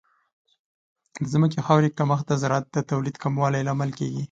د ځمکې خاورې کمښت د زراعت د تولید کموالی لامل کیږي.